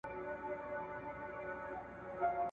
څوك مي غلا څوك مي زنا ته هڅولي !.